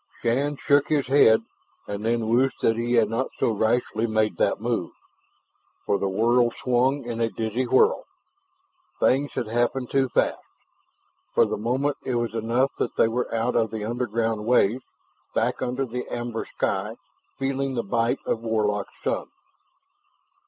Shann shook his head, and then wished that he had not so rashly made that move, for the world swung in a dizzy whirl. Things had happened too fast. For the moment it was enough that they were out of the underground ways, back under the amber sky, feeling the bite of Warlock's sun.